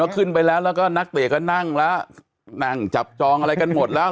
ขึ้นไปแล้วแล้วก็นักเตะก็นั่งแล้วนั่งจับจองอะไรกันหมดแล้ว